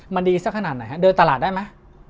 มันดีสักขนาดไหนฮะเดินตลาดได้ไหม